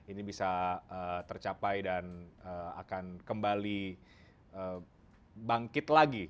ini bisa tercapai dan akan kembali bangkit lagi